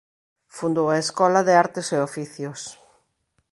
Fundou a Escola de Artes e Oficios.